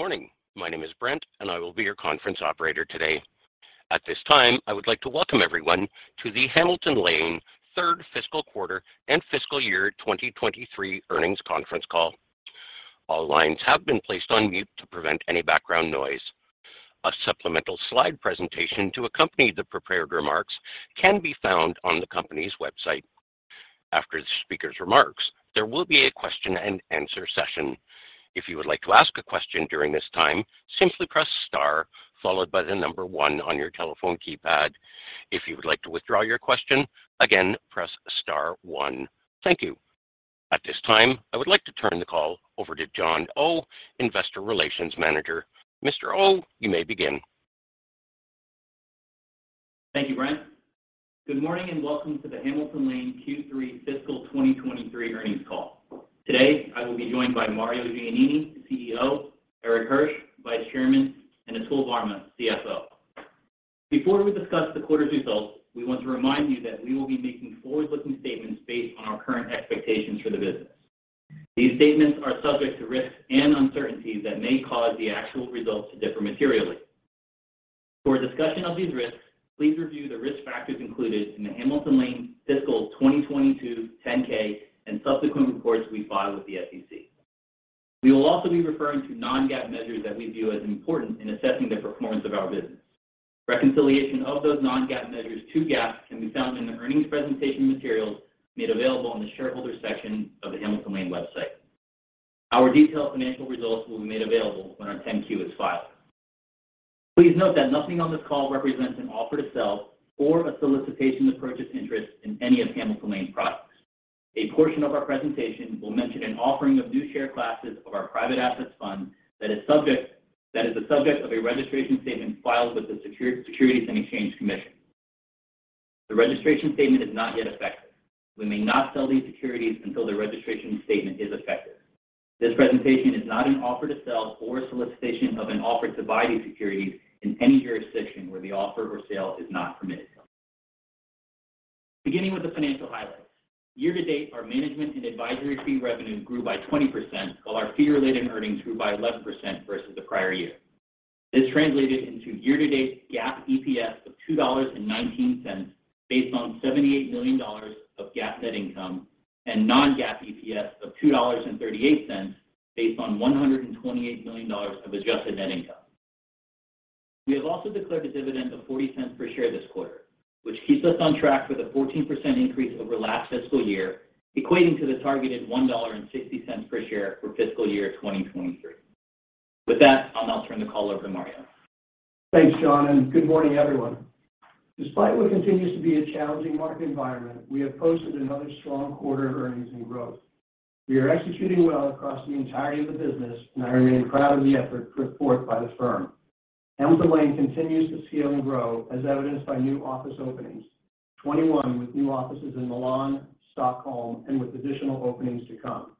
Morning. My name is Brent, and I will be your conference operator today. At this time, I would like to welcome everyone to The Hamilton Lane Third Fiscal Quarter and Fiscal Year 2023 Earnings Conference Call. All lines have been placed on mute to prevent any background noise. A supplemental slide presentation to accompany the prepared remarks can be found on the company's website. After the speaker's remarks, there will be a question-and-answer session. If you would like to ask a question during this time, simply press star followed by the number one on your telephone keypad. If you would like to withdraw your question, again, press star one. Thank you. At this time, I would like to turn the call over to John Oh, Investor Relations Manager. Mr. Oh, you may begin. Thank you, Brent. Good morning and welcome to the Hamilton Lane Q3 fiscal 2023 earnings call. Today, I will be joined by Mario Giannini, CEO, Erik Hirsch, Vice Chairman, and Atul Varma, CFO. Before we discuss the quarter's results, we want to remind you that we will be making forward-looking statements based on our current expectations for the business. These statements are subject to risks and uncertainties that may cause the actual results to differ materially. For a discussion of these risks, please review the risk factors included in the Hamilton Lane fiscal 2022 10-K and subsequent reports we file with the SEC. We will also be referring to non-GAAP measures that we view as important in assessing the performance of our business. Reconciliation of those non-GAAP measures to GAAP can be found in the earnings presentation materials made available on the shareholder section of the Hamilton Lane website. Our detailed financial results will be made available when our 10-Q is filed. Please note that nothing on this call represents an offer to sell or a solicitation to purchase interest in any of Hamilton Lane products. A portion of our presentation will mention an offering of new share classes of our Private Assets Fund that is the subject of a registration statement filed with the Securities and Exchange Commission. The registration statement is not yet effective. We may not sell these securities until the registration statement is effective. This presentation is not an offer to sell or a solicitation of an offer to buy these securities in any jurisdiction where the offer or sale is not permitted. Beginning with the financial highlights. Year to date, our management and advisory fee revenue grew by 20%, while our Fee-Related Earnings grew by 11% versus the prior year. This translated into year-to-date GAAP EPS of $2.19, based on $78 million of GAAP net income, and non-GAAP EPS of $2.38, based on $128 million of adjusted net income. We have also declared a dividend of $0.40 per share this quarter, which keeps us on track with a 14% increase over last fiscal year, equating to the targeted $1.60 per share for fiscal year 2023. With that, I'll now turn the call over to Mario. Thanks, John. Good morning, everyone. Despite what continues to be a challenging market environment, we have posted another strong quarter of earnings and growth. We are executing well across the entirety of the business, and I remain proud of the effort put forth by the firm. Hamilton Lane continues to scale and grow, as evidenced by new office openings. 21 with new offices in Milan, Stockholm, and with additional openings to come.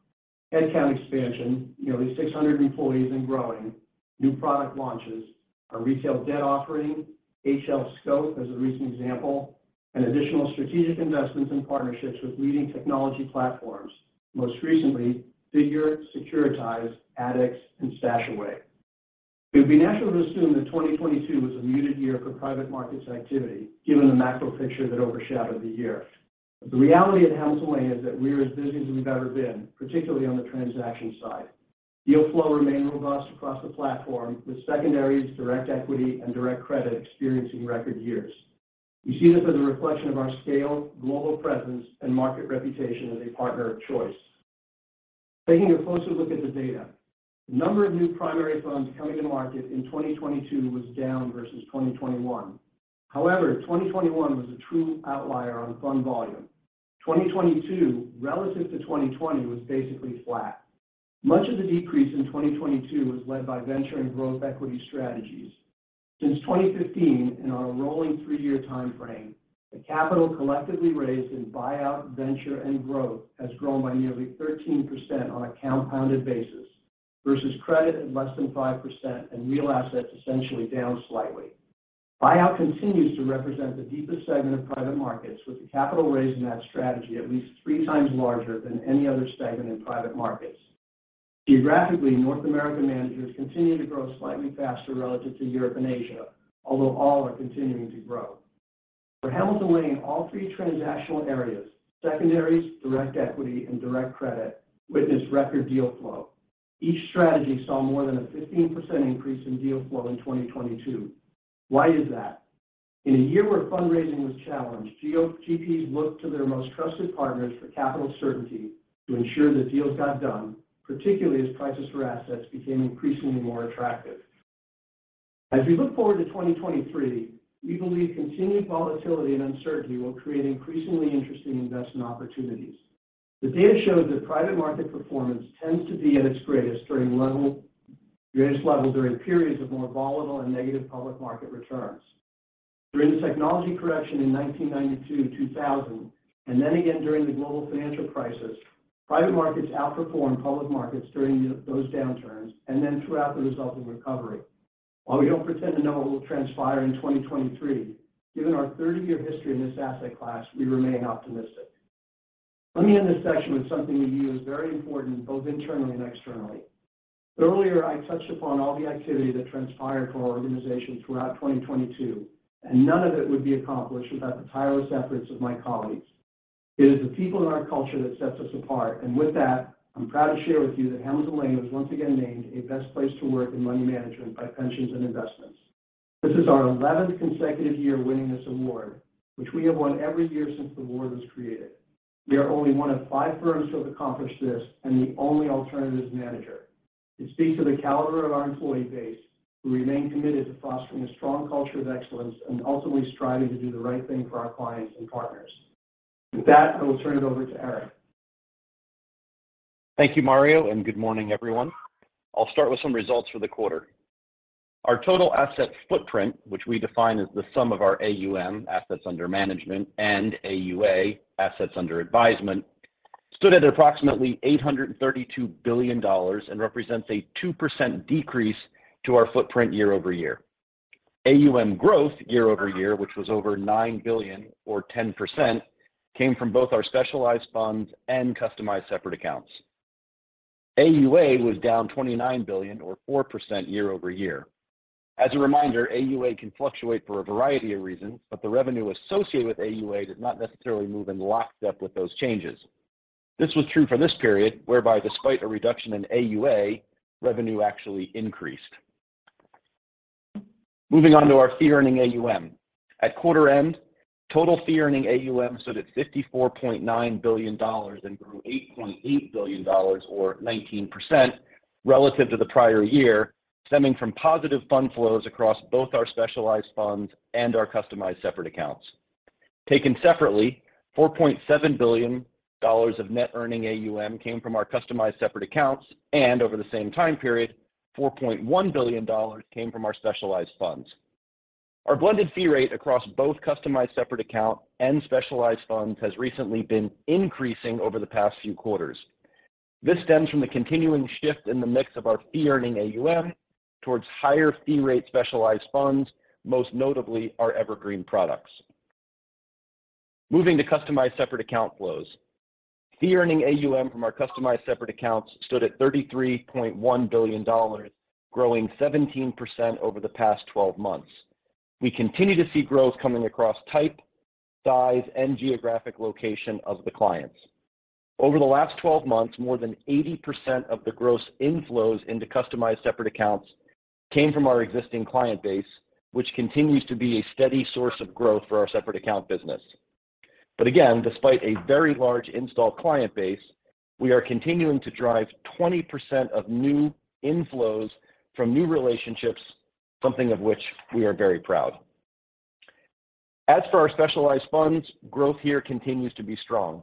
Headcount expansion, nearly 600 employees and growing, new product launches, our retail debt offering, HL Scope as a recent example, and additional strategic investments and partnerships with leading technology platforms. Most recently, Figure, Securitize, ADDX, and StashAway. It would be natural to assume that 2022 was a muted year for private markets activity, given the macro picture that overshadowed the year. The reality at Hamilton Lane is that we are as busy as we've ever been, particularly on the transaction side. Deal flow remained robust across the platform, with secondaries, direct equity, and direct credit experiencing record years. We see this as a reflection of our scale, global presence, and market reputation as a partner of choice. Taking a closer look at the data. The number of new primary funds coming to market in 2022 was down versus 2021. 2021 was a true outlier on fund volume. 2022, relative to 2020, was basically flat. Much of the decrease in 2022 was led by venture and growth equity strategies. Since 2015, in our rolling three-year time frame, the capital collectively raised in buyout, venture, and growth has grown by nearly 13% on a compounded basis versus credit at less than 5%, and real assets essentially down slightly. Buyout continues to represent the deepest segment of private markets, with the capital raised in that strategy at least 3x larger than any other segment in private markets. Geographically, North American managers continue to grow slightly faster relative to Europe and Asia, although all are continuing to grow. For Hamilton Lane, all three transactional areas, secondaries, direct equity, and direct credit, witnessed record deal flow. Each strategy saw more than a 15% increase in deal flow in 2022. Why is that? In a year where fundraising was challenged, GPs looked to their most trusted partners for capital certainty to ensure that deals got done, particularly as prices for assets became increasingly more attractive. As we look forward to 2023, we believe continued volatility and uncertainty will create increasingly interesting investment opportunities. The data shows that private market performance tends to be at its greatest level during periods of more volatile and negative public market returns. During the technology correction in 1992 to 2000, then again during the global financial crisis, private markets outperformed public markets during those downturns, then throughout the resulting recovery. While we don't pretend to know what will transpire in 2023, given our 30-year history in this asset class, we remain optimistic. Let me end this section with something to me is very important, both internally and externally. Earlier, I touched upon all the activity that transpired for our organization throughout 2022. None of it would be accomplished without the tireless efforts of my colleagues. It is the people in our culture that sets us apart. With that, I'm proud to share with you that Hamilton Lane was once again named a Best Place to Work in Money Management by Pensions & Investments. This is our 11th consecutive year winning this award, which we have won every year since the award was created. We are only one of five firms to have accomplished this, the only alternatives manager. It speaks to the caliber of our employee base, who remain committed to fostering a strong culture of excellence and ultimately striving to do the right thing for our clients and partners. With that, I will turn it over to Erik. Thank you, Mario. Good morning, everyone. I'll start with some results for the quarter. Our total asset footprint, which we define as the sum of our AUM, assets under management, and AUA, assets under advisement, stood at approximately $832 billion and represents a 2% decrease to our footprint year-over-year. AUM growth year-over-year, which was over $9 billion or 10%, came from both our specialized funds and customized separate accounts. AUA was down $29 billion or 4% year-over-year. As a reminder, AUA can fluctuate for a variety of reasons, but the revenue associated with AUA does not necessarily move in lockstep with those changes. This was true for this period, whereby despite a reduction in AUA, revenue actually increased. Moving on to our Fee-Earning AUM. At quarter end, total Fee-Earning AUM stood at $54.9 billion and grew $8.8 billion or 19% relative to the prior year, stemming from positive fund flows across both our specialized funds and our customized separate accounts. Taken separately, $4.7 billion of net earning AUM came from our customized separate accounts, over the same time period, $4.1 billion came from our specialized funds. Our blended fee rate across both customized separate account and specialized funds has recently been increasing over the past few quarters. This stems from the continuing shift in the mix of our Fee-Earning AUM towards higher fee rate specialized funds, most notably our Evergreen products. Moving to customized separate account flows. Fee-Earning AUM from our customized separate accounts stood at $33.1 billion, growing 17% over the past 12 months. We continue to see growth coming across type, size, and geographic location of the clients. Over the last 12 months, more than 80% of the gross inflows into customized separate accounts came from our existing client base, which continues to be a steady source of growth for our separate account business. Again, despite a very large installed client base, we are continuing to drive 20% of new inflows from new relationships, something of which we are very proud. As for our specialized funds, growth here continues to be strong.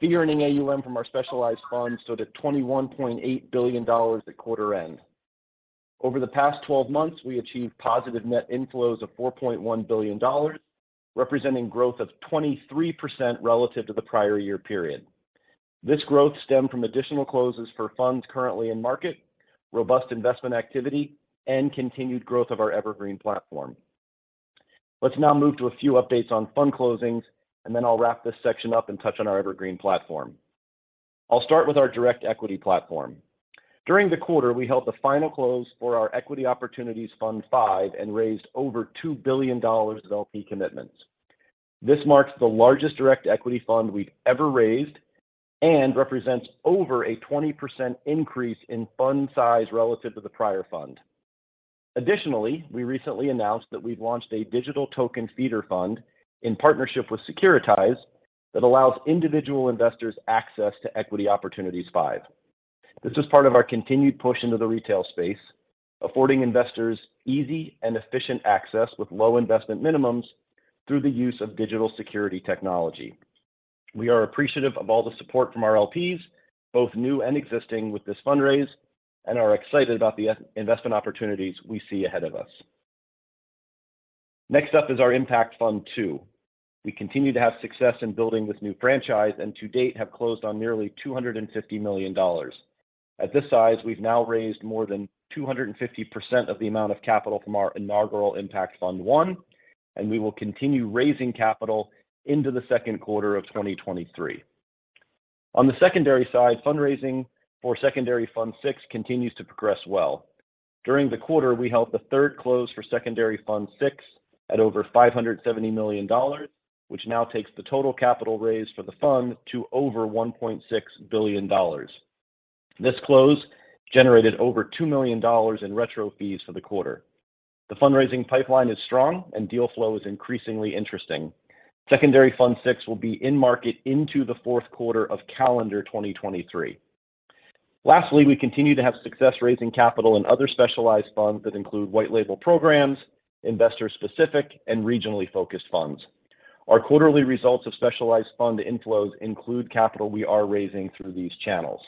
Fee-Earning AUM from our specialized funds stood at $21.8 billion at quarter end. Over the past 12 months, we achieved positive net inflows of $4.1 billion, representing growth of 23% relative to the prior-year period. This growth stemmed from additional closes for funds currently in market, robust investment activity, and continued growth of our Evergreen platform. Let's now move to a few updates on fund closings, and then I'll wrap this section up and touch on our Evergreen platform. I'll start with our direct equity platform. During the quarter, we held the final close for our Equity Opportunities Fund V and raised over $2 billion of LP commitments. This marks the largest direct equity fund we've ever raised and represents over a 20% increase in fund size relative to the prior fund. Additionally, we recently announced that we've launched a digital tokenized feeder fund in partnership with Securitize that allows individual investors access to Equity Opportunities V. This is part of our continued push into the retail space, affording investors easy and efficient access with low investment minimums through the use of digital security technology. We are appreciative of all the support from our LPs, both new and existing, with this fundraise and are excited about the investment opportunities we see ahead of us. Next up is our Impact Fund V. We continue to have success in building this new franchise and to date have closed on nearly $250 million. At this size, we've now raised more than 250% of the amount of capital from our inaugural Impact Fund I. We will continue raising capital into the second quarter of 2023. On the secondary side, fundraising for Secondary Fund VI continues to progress well. During the quarter, we held the third close for Secondary Fund VI at over $570 million, which now takes the total capital raised for the fund to over $1.6 billion. This close generated over $2 million in retro fees for the quarter. The fundraising pipeline is strong and deal flow is increasingly interesting. Secondary Fund VI will be in market into the fourth quarter of calendar 2023. Lastly, we continue to have success raising capital in other specialized funds that include white-label programs, investor-specific, and regionally focused funds. Our quarterly results of specialized fund inflows include capital we are raising through these channels.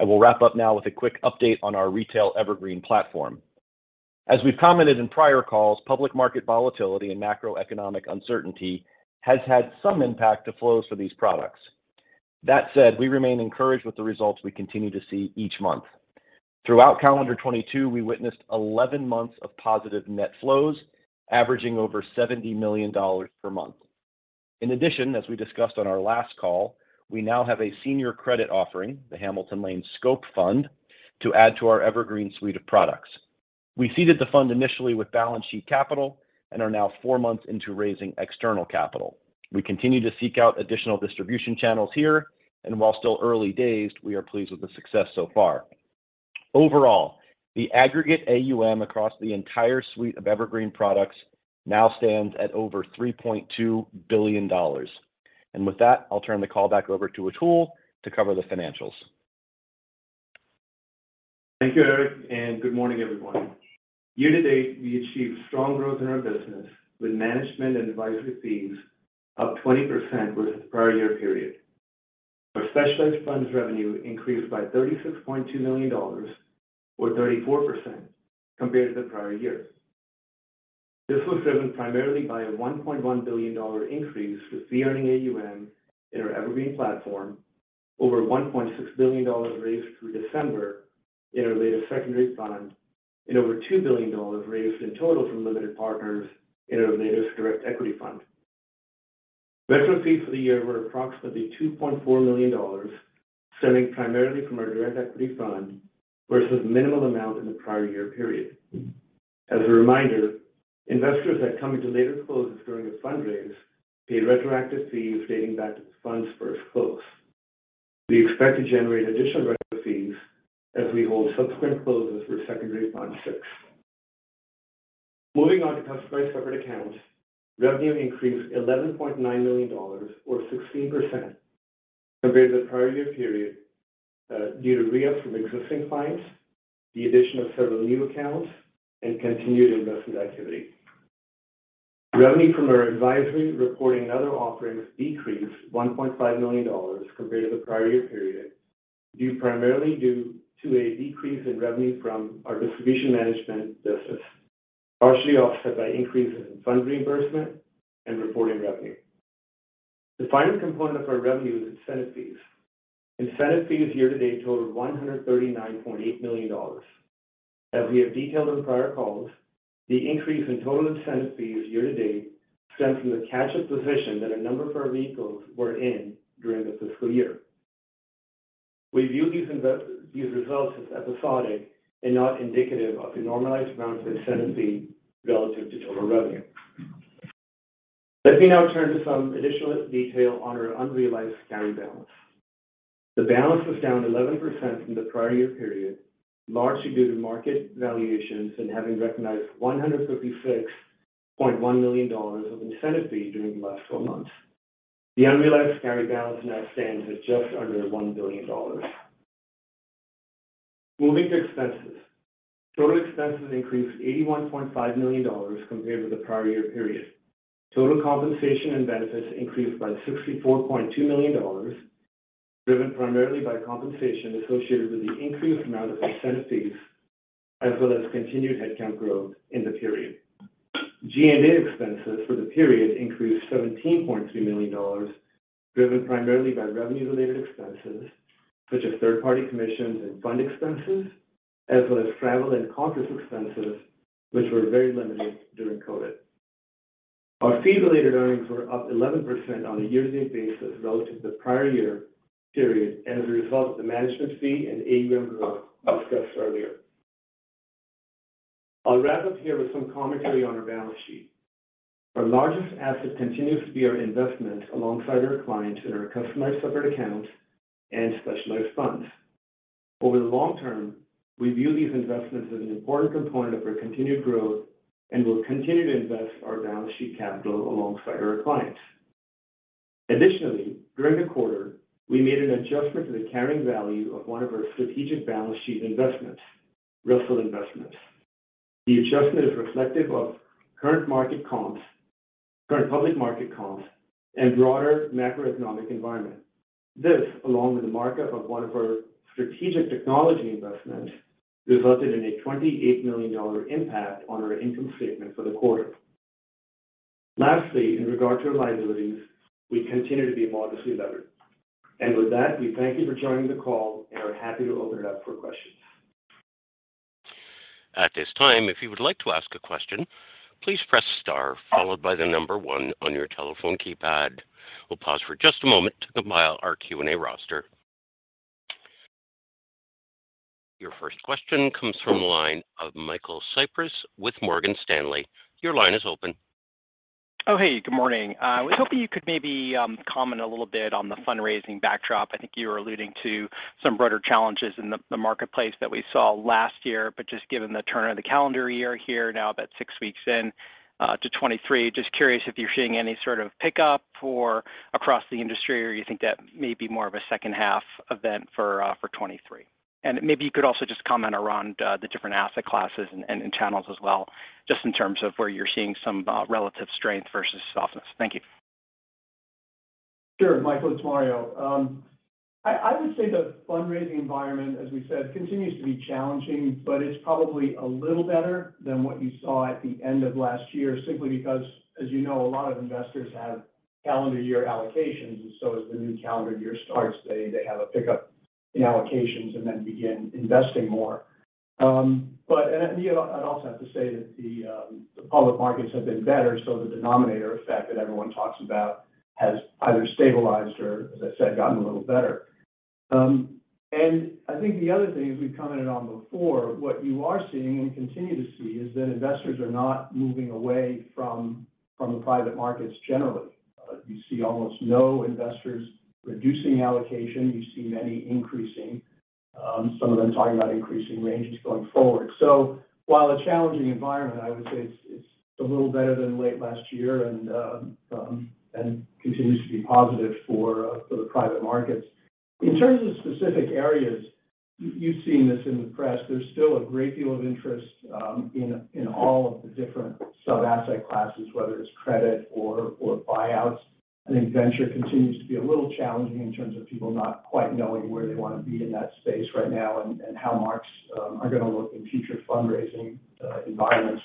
I will wrap up now with a quick update on our retail Evergreen platform. As we've commented in prior calls, public market volatility and macroeconomic uncertainty has had some impact to flows for these products. That said, we remain encouraged with the results we continue to see each month. Throughout calendar 2022, we witnessed 11 months of positive net flows, averaging over $70 million per month. In addition, as we discussed on our last call, we now have a senior credit offering, the Hamilton Lane Scope Fund, to add to our Evergreen suite of products. We seeded the fund initially with balance sheet capital and are now four months into raising external capital. We continue to seek out additional distribution channels here, and while still early days, we are pleased with the success so far. Overall, the aggregate AUM across the entire suite of Evergreen products now stands at over $3.2 billion. With that, I'll turn the call back over to Atul to cover the financials. Thank you, Erik, good morning, everyone. Year-to-date, we achieved strong growth in our business with management and advisory fees up 20% with the prior year period. Our specialized funds revenue increased by $36.2 million or 34% compared to the prior year. This was driven primarily by a $1.1 billion increase with Fee-Earning AUM in our Evergreen platform, over $1.6 billion raised through December in our latest Secondary Fund, and over $2 billion raised in total from limited partners in our latest Direct Equity Fund. Retroactive fees for the year were approximately $2.4 million, stemming primarily from our Direct Equity Fund versus minimal amount in the prior year period. As a reminder, investors that come into later closes during a fundraise paid retroactive fees dating back to the fund's first close. We expect to generate additional retroactive fees as we hold subsequent closes for Secondary Fund VI. Moving on to customized separate accounts, revenue increased $11.9 million or 16% compared to the prior year period, due to re-ups from existing clients, the addition of several new accounts, and continued investment activity. Revenue from our advisory, reporting, and other offerings decreased $1.5 million compared to the prior year period primarily due to a decrease in revenue from our distribution management business, partially offset by increases in fund reimbursement and reporting revenue. The final component of our revenue is incentive fees. Incentive fees year-to-date totaled $139.8 million. As we have detailed on prior calls, the increase in total incentive fees year-to-date stem from the catch-up position that a number of our vehicles were in during the fiscal year. We view these results as episodic and not indicative of the normalized amount of incentive fee relative to total revenue. Let me now turn to some additional detail on our unrealized carry balance. The balance was down 11% from the prior year period, largely due to market valuations and having recognized $156.1 million of incentive fee during the last four months. The unrealized carry balance now stands at just under $1 billion. Moving to expenses. Total expenses increased $81.5 million compared with the prior year period. Total compensation and benefits increased by $64.2 million, driven primarily by compensation associated with the increased amount of incentive fees, as well as continued headcount growth in the period. G&A expenses for the period increased $17.3 million, driven primarily by revenue-related expenses, such as third-party commissions and fund expenses, as well as travel and conference expenses, which were very limited during COVID. Our Fee-Related Earnings were up 11% on a year-to-date basis relative to the prior year period as a result of the management fee and AUM growth I discussed earlier. I'll wrap up here with some commentary on our balance sheet. Our largest asset continues to be our investment alongside our clients in our customized separate accounts and specialized funds. Over the long term, we view these investments as an important component of our continued growth and will continue to invest our balance sheet capital alongside our clients. Additionally, during the quarter, we made an adjustment to the carrying value of one of our strategic balance sheet investments, Russell Investments. The adjustment is reflective of current public market comps and broader macroeconomic environment. This, along with the markup of one of our strategic technology investments, resulted in a $28 million impact on our income statement for the quarter. Lastly, in regard to our liabilities, we continue to be modestly levered. With that, we thank you for joining the call and are happy to open it up for questions. At this time, if you would like to ask a question, please press star followed by the one on your telephone keypad. We'll pause for just a moment to compile our Q&A roster. Your first question comes from the line of Michael Cyprys with Morgan Stanley. Your line is open. Oh, hey, good morning. Was hoping you could maybe comment a little bit on the fundraising backdrop. I think you were alluding to some broader challenges in the marketplace that we saw last year. Just given the turn of the calendar year here now about six weeks in to 2023, just curious if you're seeing any sort of pickup across the industry, or you think that may be more of a second half event for 2023? Maybe you could also just comment around the different asset classes and channels as well, just in terms of where you're seeing some relative strength versus softness. Thank you. Sure, Michael, it's Mario. I would say the fundraising environment, as we said, continues to be challenging, but it's probably a little better than what you saw at the end of last year, simply because, as you know, a lot of investors have calendar year allocations. So as the new calendar year starts, they have a pickup in allocations and then begin investing more. You know, I'd also have to say that the public markets have been better, so the denominator effect that everyone talks about has either stabilized or, as I said, gotten a little better. And I think the other thing, as we've commented on before, what you are seeing and continue to see is that investors are not moving away from the private markets generally. You see almost no investors reducing allocation. You see many increasing, some of them talking about increasing ranges going forward. While a challenging environment, I would say it's a little better than late last year and continues to be positive for the private markets. In terms of specific areas, you've seen this in the press. There's still a great deal of interest in all of the different sub-asset classes, whether it's credit or buyouts. I think venture continues to be a little challenging in terms of people not quite knowing where they wanna be in that space right now and how marks are gonna look in future fundraising environments.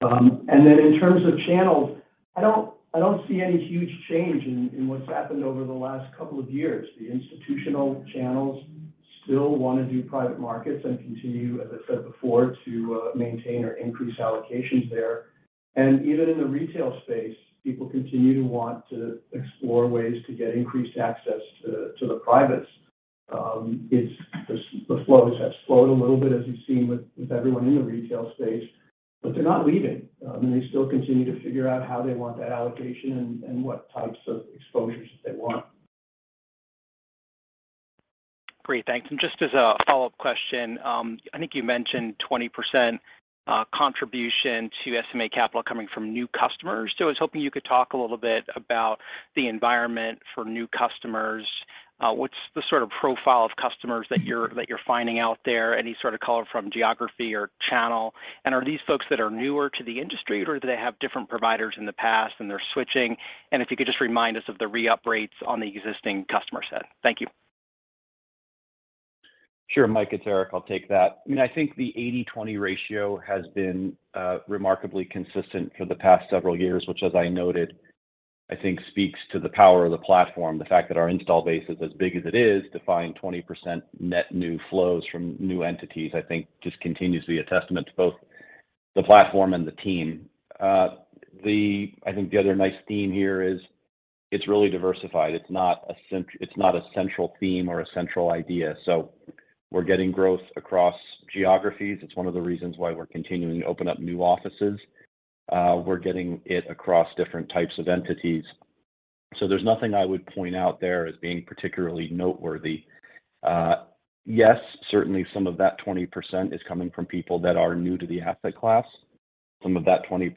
In terms of channels, I don't see any huge change in what's happened over the last couple of years. The institutional channels still wanna do private markets and continue, as I said before, to maintain or increase allocations there. Even in the retail space, people continue to want to explore ways to get increased access to the privates. The flows have slowed a little bit, as you've seen with everyone in the retail space. They're not leaving. They still continue to figure out how they want that allocation and what types of exposures they want. Great. Thanks. Just as a follow-up question, I think you mentioned 20% contribution to SMA capital coming from new customers. I was hoping you could talk a little bit about the environment for new customers. What's the sort of profile of customers that you're finding out there? Any sort of color from geography or channel? Are these folks that are newer to the industry, or do they have different providers in the past, and they're switching? If you could just remind us of the re-up rates on the existing customer set. Thank you. Sure, Mike. It's Erik. I'll take that. I mean, I think the 80-20 ratio has been remarkably consistent for the past several years, which as I noted, I think speaks to the power of the platform. The fact that our install base is as big as it is to find 20% net new flows from new entities, I think just continues to be a testament to both the platform and the team. I think the other nice theme here is it's really diversified. It's not a central theme or a central idea. We're getting growth across geographies. It's one of the reasons why we're continuing to open up new offices. We're getting it across different types of entities. There's nothing I would point out there as being particularly noteworthy. Yes, certainly some of that 20% is coming from people that are new to the asset class. Some of that 20%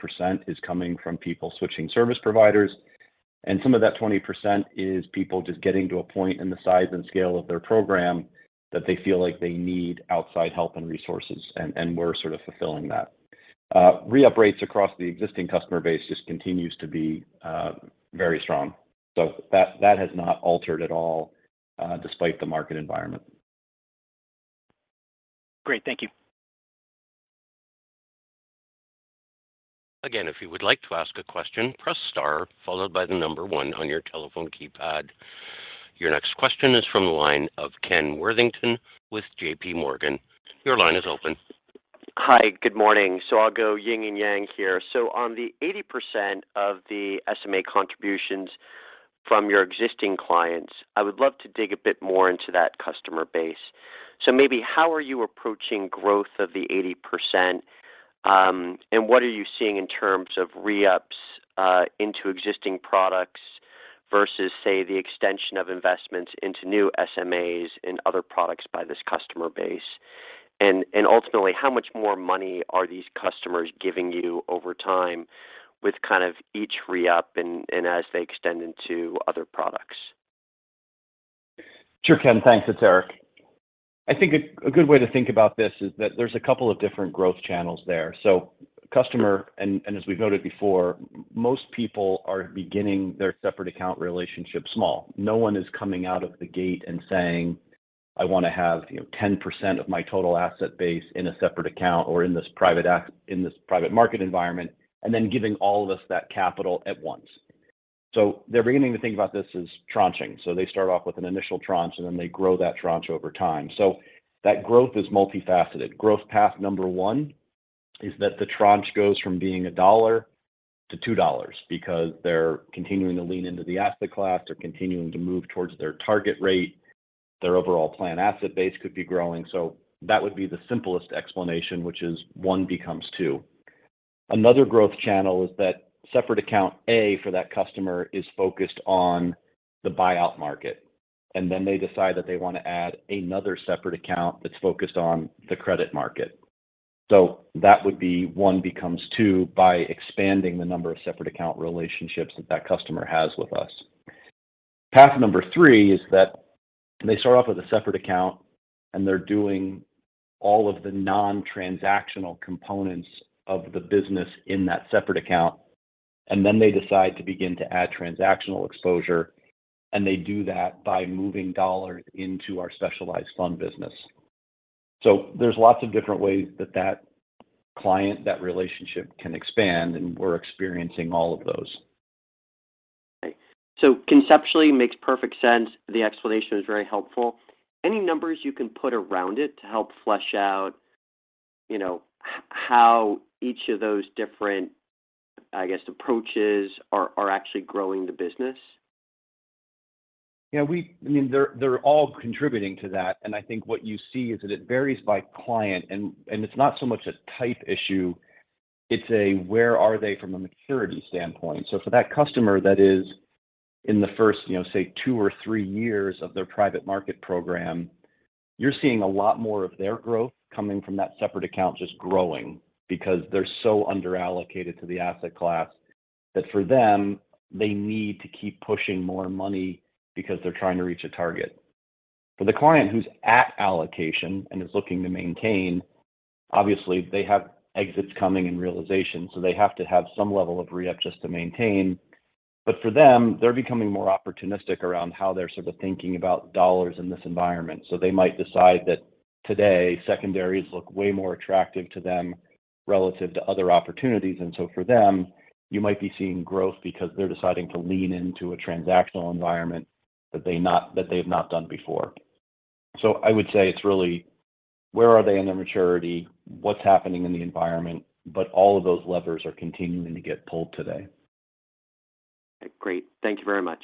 is coming from people switching service providers, and some of that 20% is people just getting to a point in the size and scale of their program that they feel like they need outside help and resources. We're sort of fulfilling that. Re-up rates across the existing customer base just continues to be very strong. That has not altered at all, despite the market environment. Great. Thank you. Again, if you would like to ask a question, press star followed by one on your telephone keypad. Your next question is from the line of Ken Worthington with JPMorgan. Your line is open. Hi. Good morning. I'll go yin and yang here. On the 80% of the SMA contributions from your existing clients, I would love to dig a bit more into that customer base. Maybe how are you approaching growth of the 80%, and what are you seeing in terms of re-ups into existing products versus, say, the extension of investments into new SMAs and other products by this customer base? Ultimately, how much more money are these customers giving you over time with, kind of, each re-up and, as they extend into other products? Sure, Ken. Thanks. It's Erik. I think a good way to think about this is that there's a couple of different growth channels there. As we've noted before, most people are beginning their separate account relationship small. No one is coming out of the gate and saying, "I wanna have, you know, 10% of my total asset base in a separate account or in this private market environment," giving all of us that capital at once. They're beginning to think about this as tranching. They start off with an initial tranche, they grow that tranche over time. That growth is multifaceted. Growth path number one is that the tranche goes from being $1 to $2 because they're continuing to lean into the asset class. They're continuing to move towards their target rate. Their overall plan asset base could be growing. That would be the simplest explanation, which is one becomes two. Another growth channel is that separate account A for that customer is focused on the buyout market, and then they decide that they want to add another separate account that's focused on the credit market. That would be one becomes two by expanding the number of separate account relationships that customer has with us. Path number three is that they start off with a separate account, and they're doing all of the non-transactional components of the business in that separate account. Then they decide to begin to add transactional exposure, and they do that by moving $ into our specialized fund business. There's lots of different ways that client, that relationship can expand, and we're experiencing all of those. Conceptually makes perfect sense. The explanation is very helpful. Any numbers you can put around it to help flesh out, you know, how each of those different, I guess, approaches are actually growing the business? I mean, they're all contributing to that. I think what you see is that it varies by client and it's not so much a type issue, it's a where are they from a maturity standpoint. For that customer that is in the first, you know, say two or three years of their private market program, you're seeing a lot more of their growth coming from that separate account just growing because they're so under-allocated to the asset class that for them, they need to keep pushing more money because they're trying to reach a target. For the client who's at allocation and is looking to maintain, obviously they have exits coming and realization, so they have to have some level of re-up just to maintain. For them, they're becoming more opportunistic around how they're sort of thinking about dollars in this environment. They might decide that today secondaries look way more attractive to them relative to other opportunities. For them, you might be seeing growth because they're deciding to lean into a transactional environment that they've not done before. I would say it's really where are they in their maturity, what's happening in the environment, but all of those levers are continuing to get pulled today. Great. Thank you very much.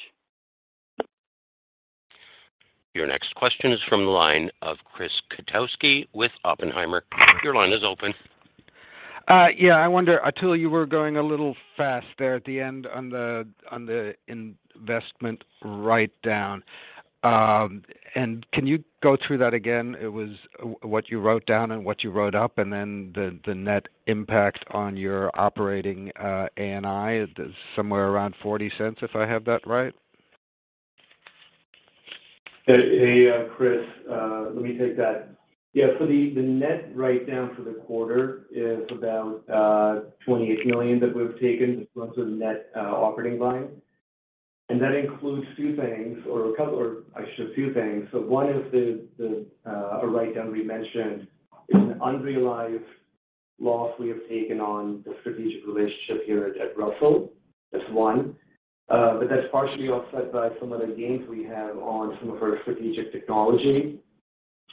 Your next question is from the line of Chris Kotowski with Oppenheimer. Your line is open. Yeah. I wonder, Atul, you were going a little fast there at the end on the, on the investment write down. Can you go through that again? It was what you wrote down and what you wrote up, then the net impact on your operating, ANI is somewhere around $0.40, if I have that right. Hey, Chris, let me take that. Yeah, the net write down for the quarter is about $28 million that we've taken. It runs through the net operating line. That includes two things or actually a few things. One is the, a write down we mentioned is an unrealized loss we have taken on the strategic relationship here at Russell. That's one. That's partially offset by some of the gains we have on some of our strategic technology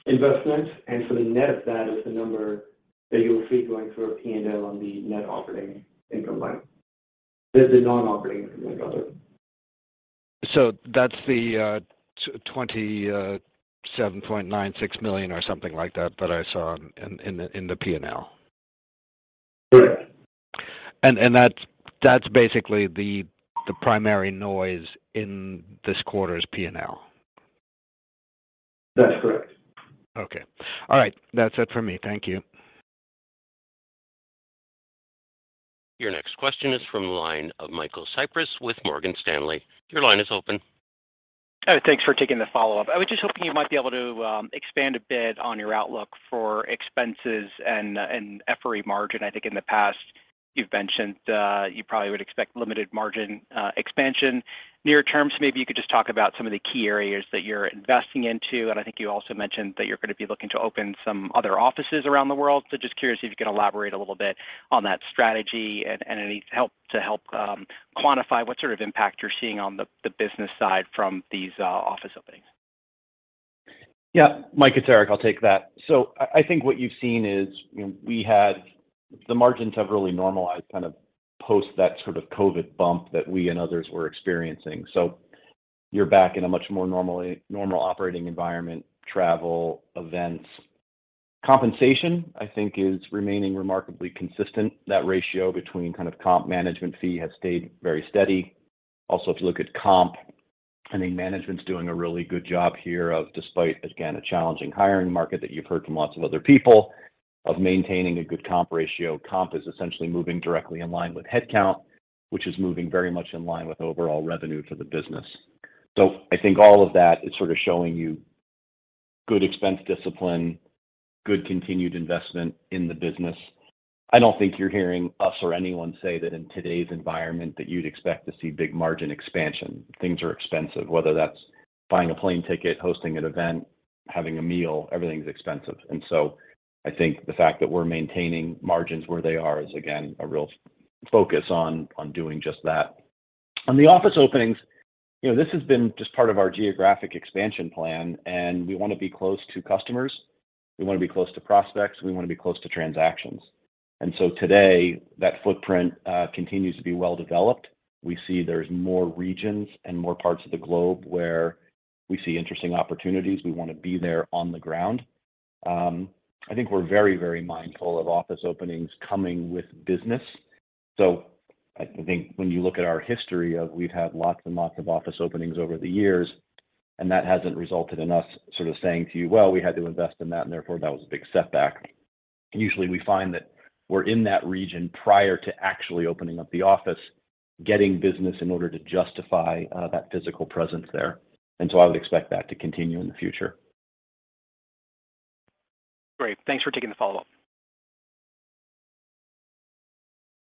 investments. The net of that is the number that you'll see going through our P&L on the net operating income line. The, the non-operating income line. That's the $27.96 million or something like that I saw in, in the P&L. Correct. That's basically the primary noise in this quarter's P&L. That's correct. Okay. All right. That's it for me. Thank you. Your next question is from the line of Michael Cyprys with Morgan Stanley. Your line is open. Oh, thanks for taking the follow-up. I was just hoping you might be able to expand a bit on your outlook for expenses and FRE margin. I think in the past you've mentioned, you probably would expect limited margin expansion near term. Maybe you could just talk about some of the key areas that you're investing into. I think you also mentioned that you're gonna be looking to open some other offices around the world. Just curious if you could elaborate a little bit on that strategy and to help quantify what sort of impact you're seeing on the business side from these office openings. Yeah. Mike, it's Erik. I'll take that. I think what you've seen is, you know, we had... The margins have really normalized kind of post that sort of COVID bump that we and others were experiencing. You're back in a much more normal operating environment: travel, events. Compensation, I think, is remaining remarkably consistent. That ratio between kind of comp management fee has stayed very steady. Also, if you look at comp, I think management's doing a really good job here of despite, again, a challenging hiring market that you've heard from lots of other people, of maintaining a good comp ratio. Comp is essentially moving directly in line with headcount, which is moving very much in line with overall revenue for the business. I think all of that is sort of showing you good expense discipline, good continued investment in the business. I don't think you're hearing us or anyone say that in today's environment that you'd expect to see big margin expansion. Things are expensive, whether that's buying a plane ticket, hosting an event, having a meal, everything's expensive. I think the fact that we're maintaining margins where they are is again, a real focus on doing just that. On the office openings, you know, this has been just part of our geographic expansion plan, we wanna be close to customers, we wanna be close to prospects, we wanna be close to transactions. Today, that footprint continues to be well developed. We see there's more regions and more parts of the globe where we see interesting opportunities. We wanna be there on the ground. I think we're very mindful of office openings coming with business. I think when you look at our history of we've had lots and lots of office openings over the years, that hasn't resulted in us sort of saying to you, "Well, we had to invest in that, and therefore that was a big setback." Usually, we find that we're in that region prior to actually opening up the office, getting business in order to justify that physical presence there. I would expect that to continue in the future. Great. Thanks for taking the follow-up.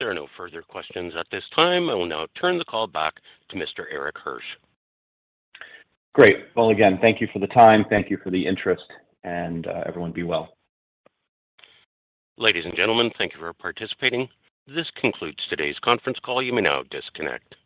There are no further questions at this time. I will now turn the call back to Mr. Erik Hirsch. Great. Well, again, thank you for the time. Thank you for the interest, and everyone be well. Ladies and gentlemen, thank you for participating. This concludes today's conference call. You may now disconnect.